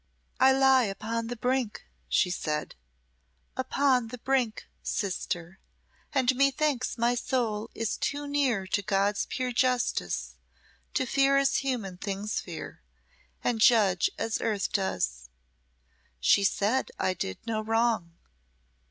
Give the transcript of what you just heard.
"I lie upon the brink," she said "upon the brink, sister, and methinks my soul is too near to God's pure justice to fear as human things fear, and judge as earth does. She said I did no wrong.